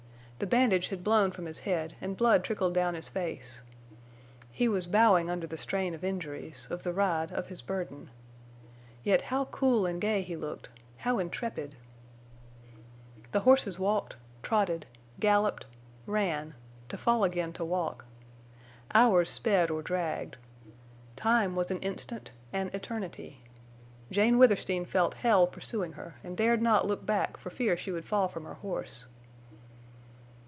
The bandage had blown from his head, and blood trickled down his face. He was bowing under the strain of injuries, of the ride, of his burden. Yet how cool and gay he looked—how intrepid! The horses walked, trotted, galloped, ran, to fall again to walk. Hours sped or dragged. Time was an instant—an eternity. Jane Withersteen felt hell pursuing her, and dared not look back for fear she would fall from her horse.